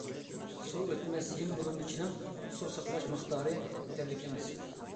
سۇ ئۆتمەس ھىم بۆلۈمچىنىڭ سۇ ساقلاش مىقدارى يېتەرلىك ئەمەس.